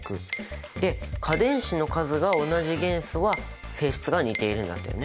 で価電子の数が同じ元素は性質が似ているんだったよね。